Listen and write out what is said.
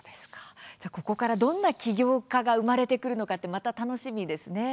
ここからどんな起業家が生まれてくるのかまた楽しみですね。